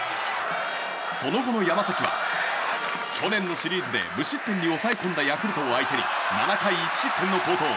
その後の山崎は昨年のシリーズで無失点に抑え込んだヤクルトを相手に７回１失点の好投。